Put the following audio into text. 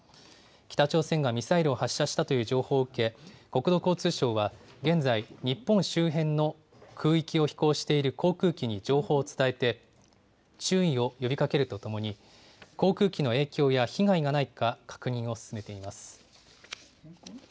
北朝鮮がミサイルを発射したという情報を受け、国土交通省は現在、日本周辺の空域を飛行している航空機に情報を伝えて、注意を呼びかけるとともに、航空機の影響や被害がないか、確認を進めています。